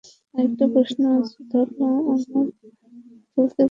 আরেকটা প্রশ্নও আছে, ধরলাম, আমরা খেলতে পারি না, আমাদের সক্ষমতাই নেই।